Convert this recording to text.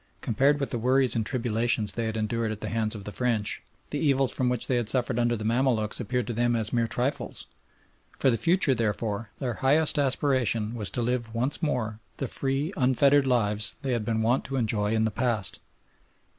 Compared with the worries and tribulations they had endured at the hands of the French the evils from which they had suffered under the Mamaluks appeared to them as mere trifles. For the future, therefore, their highest aspiration was to live once more the free, unfettered lives they had been wont to enjoy in the past.